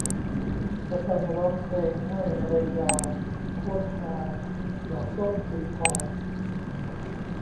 แสตมป์ร้องเพลงให้ "เรยา" โคตรฮา ! ดอกส้มสีทอง